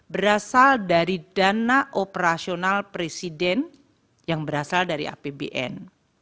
berasal dari dana operasional presiden yang berasal dari apbn